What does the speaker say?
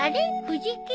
藤木。